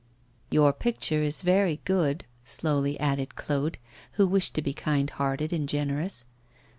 'Your picture is very good,' slowly added Claude, who wished to be kind hearted and generous.